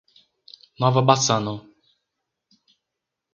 Nova Bassano